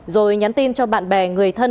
rồi nhắn tin cho bạn bè người thân